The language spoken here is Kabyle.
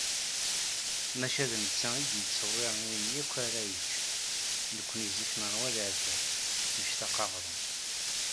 Maca d netta i d-yettsewwiren ayen akken ara yečč, nekni zik neṛwa leεtab, nectaq aγrum.